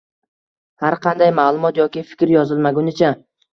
Har qanday ma’lumot yoki fikr yozilmagunicha